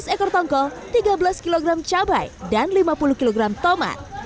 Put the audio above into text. dua belas ekor tongkol tiga belas kg cabai dan lima puluh kg tomat